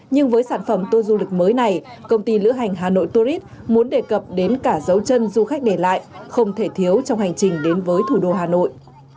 nhưng với sản phẩm tour du lịch mới này công ty lữ hành hà nội tourist muốn đề cập đến cả dấu chân du khách để lại không thể thiếu trong hành trình đến với thủ đô hà nội